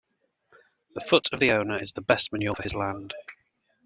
The foot of the owner is the best manure for his land.